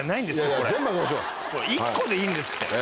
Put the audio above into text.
これ１個でいいんですって。